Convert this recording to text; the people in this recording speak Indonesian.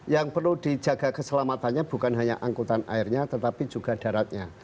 yang perlu dijaga keselamatannya bukan hanya angkutan airnya tetapi juga daratnya